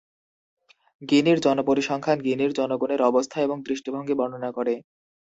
গিনির জনপরিসংখ্যান গিনির জনগণের অবস্থা এবং দৃষ্টিভঙ্গি বর্ণনা করে।